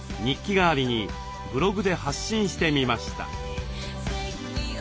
代わりにブログで発信してみました。